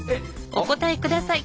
お答え下さい。